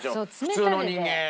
普通の人間。